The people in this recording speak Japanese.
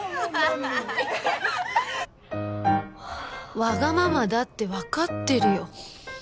わがままだってわかってるよ！